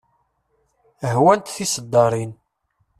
Hwant tiseddaṛin.